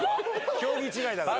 競技違いだから。